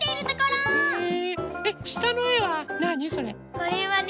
これはね